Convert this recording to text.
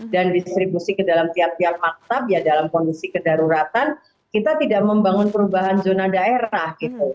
dan distribusi ke dalam tiap maktab dalam kondisi kedaruratan kita tidak membangun perubahan zona daerah